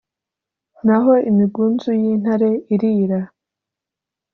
n’aho imigunzu y’intare irīra